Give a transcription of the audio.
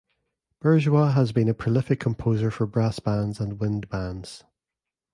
Bourgeois has been a prolific composer for brass bands and wind bands.